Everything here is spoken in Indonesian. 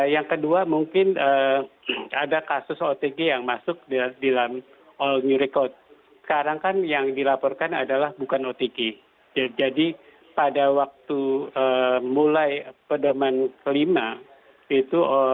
yang kedua mungkin ada kasus otg yang masuk di dalam all new record sekarang kan yang dilaporkan adalah bukan otg jadi pada waktu mulai pedoman kelima itu